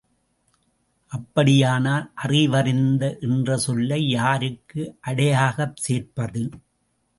அப்படியானால் அறிவறிந்த என்ற சொல்லை யாருக்கு அடையாகச் சேர்ப்பது?